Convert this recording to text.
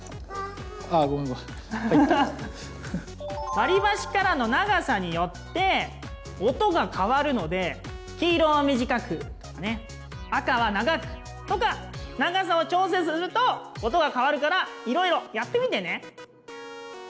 割り箸からの長さによって音が変わるので黄色は短く赤は長くとか長さを調整すると音が変わるからいろいろやってみてね。